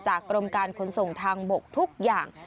กรมการขนส่งทางบกทุกอย่าง